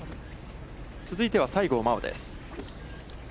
続いては西郷真央です。